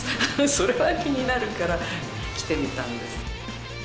それは気になるから、来てみたんです。